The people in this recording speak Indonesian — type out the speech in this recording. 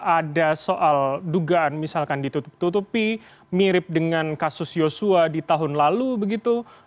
ada soal dugaan misalkan ditutup tutupi mirip dengan kasus yosua di tahun lalu begitu